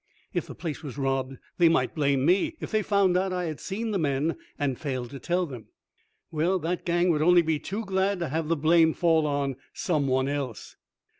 If the place was robbed they might blame me; if they found out I had seen the men and failed to tell them." "Well, that gang would only be too glad to have the blame fall on some one else."